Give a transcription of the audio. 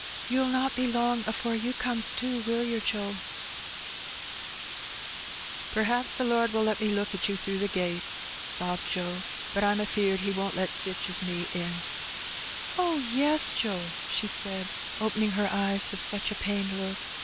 " Tou'll not be h)ng afore you comes too, will yer, Joe? " 126 Her Benny. " Perhaps the Lord will let me look at you through the gate,*' sobbed Joe ;" but I^m afeard He won't let sich as me in/* ''Oh, yes, Joe/' she said, opening her eyes with such a pained look.